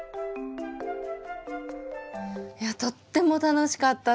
いやとっても楽しかったです。